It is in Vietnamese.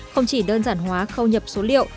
không chỉ đơn giản hóa không nhập số liệu